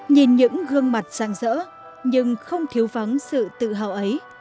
nhìn những gương mặt răng rỡ nhưng không thiếu vắng sự tự hào ấy